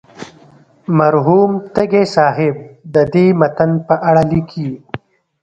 مرحوم تږی صاحب د دې متن په اړه لیکي.